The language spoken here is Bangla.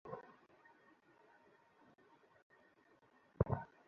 আর কিছু পেলেও সেগুলো ডাইনির সম্মোহনের পূর্বে।